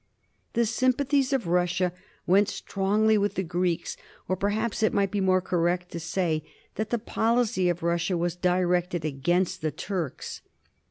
The sympathies of Russia went strongly with the Greeks, or perhaps it might be more correct to say that the policy of Russia was directed against the Turks.